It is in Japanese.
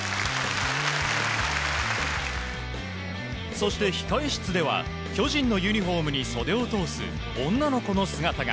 そして、控室では巨人のユニホームに袖を通す女の子の姿が。